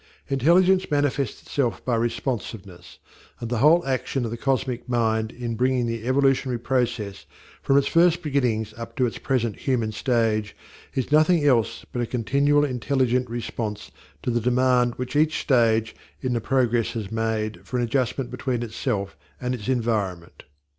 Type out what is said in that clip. Intelligence manifests itself by responsiveness, and the whole action of the cosmic mind in bringing the evolutionary process from its first beginnings up to its present human stage is nothing else but a continual intelligent response to the demand which each stage in the progress has made for an adjustment between itself and its environment.